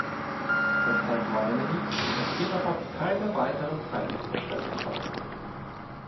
Deshalb meine ich, dass wir darauf keine weitere Zeit verschwenden sollten.